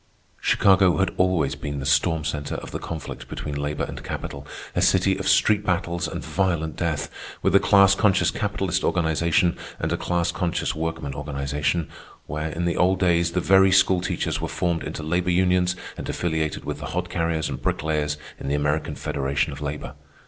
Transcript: Chicago had always been the storm centre of the conflict between labor and capital, a city of street battles and violent death, with a class conscious capitalist organization and a class conscious workman organization, where, in the old days, the very school teachers were formed into labor unions and affiliated with the hod carriers and brick layers in the American Federation of Labor.